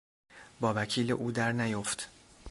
با وکیل او در نیفت!